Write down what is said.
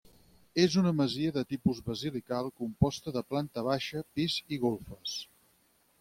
És una masia de tipus basilical composta de planta baixa, pis i golfes.